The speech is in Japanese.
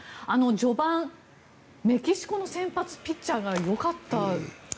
序盤、メキシコの先発ピッチャーがよかったですね。